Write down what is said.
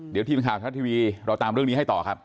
เดี๋ยวทีมข่าวทะทีวีเราตามเรื่องนี้ให้ต่อครับ